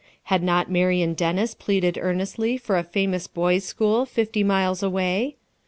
Had not Marian Dennis pleaded earnestly for a famous boys' school fifty miles away?